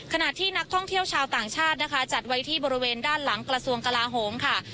ขณะที่นักท่องเที่ยวชาวต่างชาตินะคะจัดไว้ที่บริเวณด้านหลังกระทรวงกลาโหมค่ะ